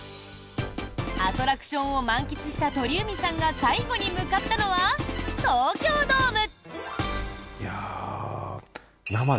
アトラクションを満喫した鳥海さんが最後に向かったのは東京ドーム。